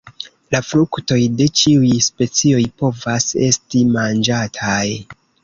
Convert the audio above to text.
La fruktoj de ĉiuj specioj povas esti manĝataj.